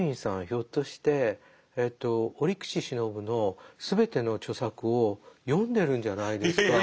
ひょっとして折口信夫の全ての著作を読んでるんじゃないですか？